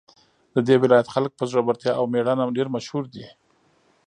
د دې ولایت خلک په زړورتیا او میړانه ډېر مشهور دي